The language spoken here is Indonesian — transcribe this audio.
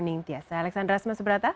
ning tiasa alexander asma seberata